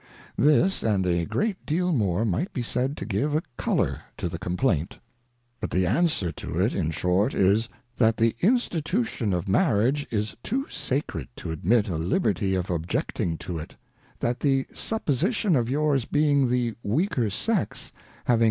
This and a great deal more might be said to give a colour to the Complaint. But the Answer to it, in short is. That the Institution of J^arriage is too, sacred to admit a Liberty of objecting to it; That the supposition of yours being the weaker Sex, having